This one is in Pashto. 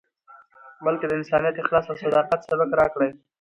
بلکې د انسانیت، اخلاص او صداقت، سبق راکړی.